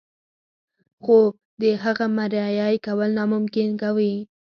خو د هغه مريي کول ناممکن کوي.